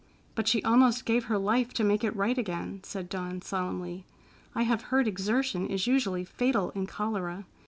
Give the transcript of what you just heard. "But she almost gave her life to make it right again," said Dawn solemnly. "I have heard exertion is usually fatal in cholera.